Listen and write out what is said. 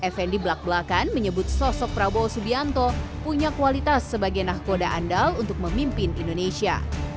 fnd belak belakan menyebut sosok prabowo subianto punya kualitas sebagai nahkoda andal untuk memimpin indonesia